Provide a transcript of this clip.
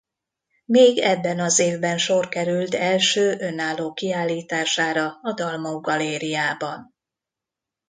Még ebben az évben sor került első önálló kiállítására a Dalmau-galériában.